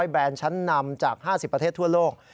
แรนด์ชั้นนำจาก๕๐ประเทศทั่วโลก